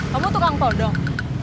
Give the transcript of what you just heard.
kamu tukang todong